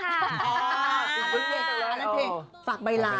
อ๋อสิปเบินไปเลย